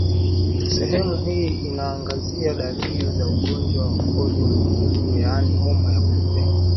Sehemu hii inaangazia dalili za ugonjwa wa Mkojo Mwekundu yaani homa ya kupe